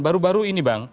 baru baru ini bang